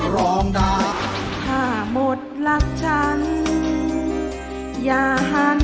ถ้าหมดรักฉันอย่าหันอย่ามอง